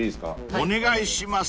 ［お願いします］